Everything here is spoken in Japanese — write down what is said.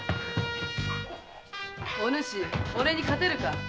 お主俺に勝てるか。